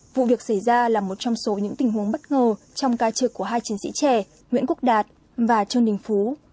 vụ việc xảy ra là một trong số những tình huống bất ngờ trong ca trực của hai chiến sĩ trẻ nguyễn quốc đạt và trương đình phú